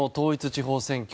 地方選挙